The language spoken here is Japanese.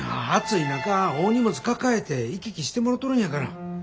暑い中大荷物抱えて行き来してもろとるんやから。